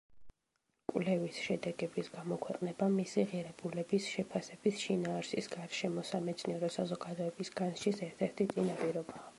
კვლევის შედეგების გამოქვეყნება მისი ღირებულების შეფასების, შინაარსის გარშემო სამეცნიერო საზოგადოების განსჯის ერთ-ერთი წინაპირობაა.